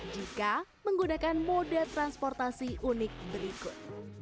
jika menggunakan moda transportasi unik berikut